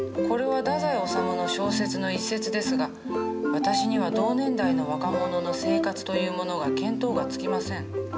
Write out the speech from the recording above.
これは太宰治の小説の一節ですが私には同年代の若者の生活というものが見当がつきません。